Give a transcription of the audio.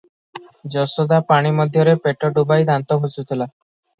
ଯଶୋଦା ପାଣି ମଧ୍ୟରେ ପେଟ ଡୁବାଇ ଦାନ୍ତ ଘଷୁଥିଲା ।